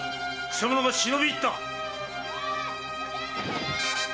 曲者が忍び入った！